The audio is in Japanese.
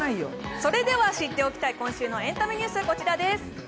それでは知っておきたい今週のエンタメニュース、こちらです